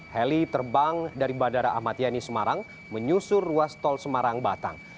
heli terbang dari badara amatiani semarang menyusur ruas tol semarang batang